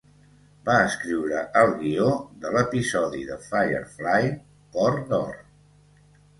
Va escriure el guió de l'episodi de Firefly "Cor d'Or".